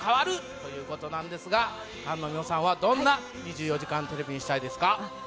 ということなんですが、菅野美穂さんは、どんな２４時間テレビにしたいですか。